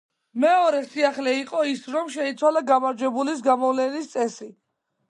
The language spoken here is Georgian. მეორე სიახლე იყო ის, რომ შეიცვალა გამარჯვებულის გამოვლენის წესი.